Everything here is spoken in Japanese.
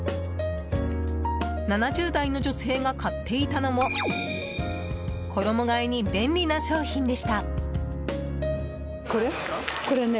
７０代の女性が買っていたのも衣替えに便利な商品でした。